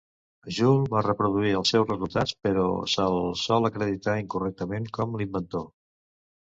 Joule va reproduir els seus resultats, però se'l sol acreditar incorrectament com l'inventor.